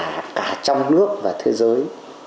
và cả trong nước và thế giới